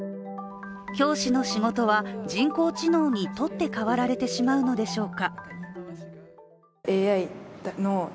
教師の仕事は人工知能に取って代わられてしまうのでしょうか。